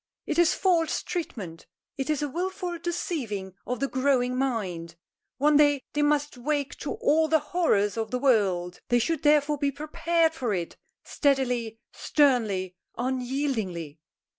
It is false treatment. It is a wilful deceiving of the growing mind. One day they must wake to all the horrors of the world. They should therefore be prepared for it, steadily, sternly, unyieldingly!"